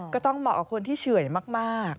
เหมาะกับคนที่เฉื่อยมาก